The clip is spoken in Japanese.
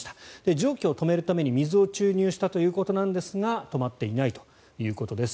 蒸気を止めるために水を注入したということですが止まっていないということです。